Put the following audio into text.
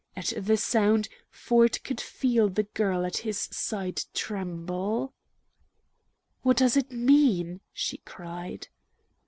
At the sound, Ford could feel the girl at his side tremble. "What does it mean?" she cried.